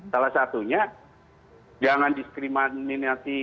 salah satunya jangan diskriminasi